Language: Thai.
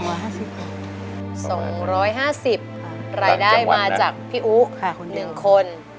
๒๕๐บาทรายได้มาจากพี่อุ๑คน